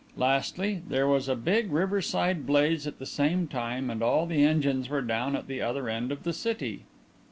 Lastly, there was a big riverside blaze at the same time and all the engines were down at the other end of the city."